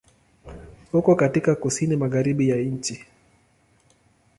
Uko katika Kusini Magharibi ya nchi.